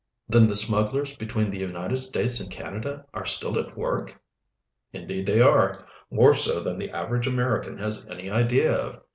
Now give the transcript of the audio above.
"Then the smugglers between the United States and Canada are still at work." "Indeed they are, more so than the average American has any idea of.